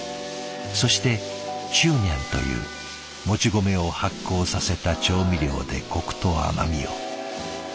そしてチューニャンというもち米を発酵させた調味料でコクと甘みを。